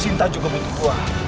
sinta juga butuh gue